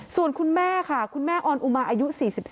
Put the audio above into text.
ส่วนคุณแม่ค่ะคุณแม่ออนอุมาอายุ๔๒